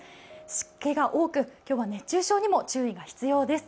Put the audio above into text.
湿気が多く、今日は熱中症にも注意が必要です。